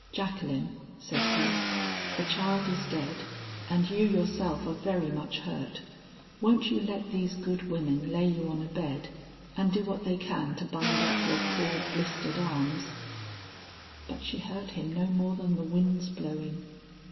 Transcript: "Jacqueline," said he, "the child is dead and you yourself are very much hurt. Won't you let these good women lay you on a bed, and do what they can to bind up your poor blistered arms?" But she heard him no more than the wind's blowing.